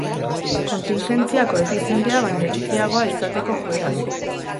Kontingentzia koefizientea baino txikiagoa izateko joera du.